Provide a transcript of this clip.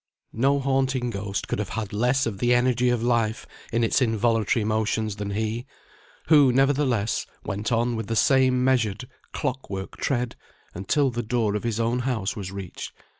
No haunting ghost could have had less of the energy of life in its involuntary motions than he, who, nevertheless, went on with the same measured clock work tread until the door of his own house was reached.